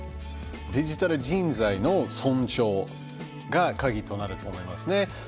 デジタル人材の尊重がカギとなると思いますね。